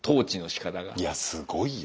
いやすごいよ。